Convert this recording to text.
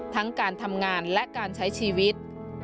ทั้งการทำงานและการใช้ชีวิต